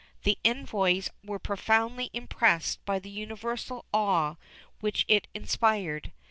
The envoys were profoundly impressed by the universal awe which it inspired.